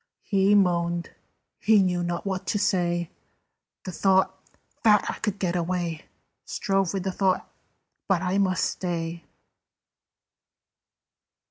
'" He moaned: he knew not what to say. The thought "That I could get away!" Strove with the thought "But I must stay."